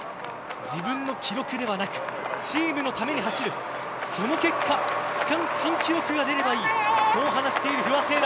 自分の記録ではなくチームのために走るその結果、区間新記録が出ればいいそう話している不破。